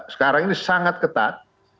sekarang ini sangat ketat